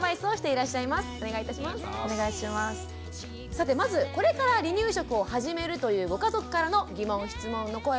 さてまずこれから離乳食を始めるというご家族からの疑問質問の声を見てみましょう。